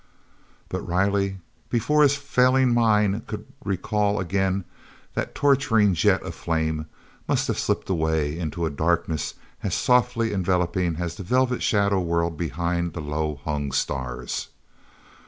But Riley, before his failing mind could recall again that torturing jet of flame, must have slipped away into a darkness as softly enveloping as the velvet shadow world behind the low hung stars.